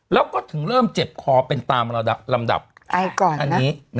แล้วก็ถึงเริ่มเจ็บคอเป็นตามลำดับอันนี้